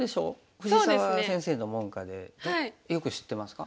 藤澤先生の門下でよく知ってますか？